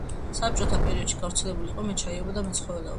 საბჭოთა პერიოდში გავრცელებული იყო მეჩაიეობა და მეცხოველეობა.